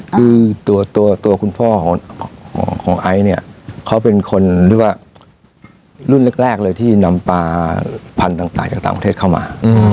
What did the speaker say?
คือตัวตัวคุณพ่อของไอซ์เนี่ยเขาเป็นคนเรียกว่ารุ่นแรกเลยที่นำปลาพันธุ์ต่างจากต่างประเทศเข้ามา